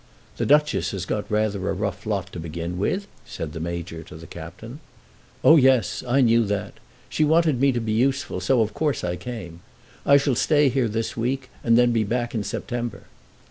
"The Duchess has got rather a rough lot to begin with," said the Major to the Captain. "Oh, yes. I knew that. She wanted me to be useful, so of course I came. I shall stay here this week, and then be back in September."